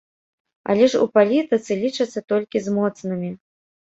Але ж у палітыцы лічацца толькі з моцнымі.